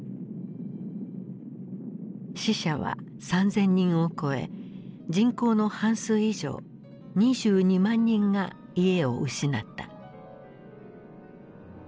死者は３，０００人を超え人口の半数以上２２万人が家を失った。